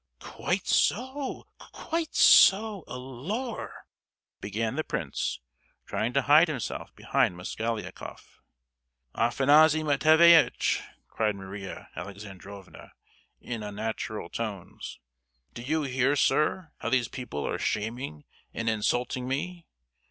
"Quite so, quite so; allure," began the prince, trying to hide himself behind Mosgliakoff. "Afanassy Matveyevitch!" cried Maria Alexandrovna, in unnatural tones; "do you hear, sir, how these people are shaming and insulting me?